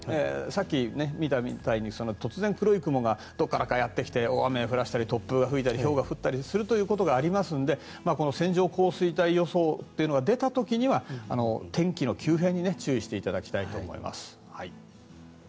さっき見たみたいに突然、黒い雲がどこからかやってきて大雨を降らしたり突風が吹いたりひょうが降ったりすることがありますのでこの線状降水帯予想というのが出た時には天気の急変に注意していただきたいと思います。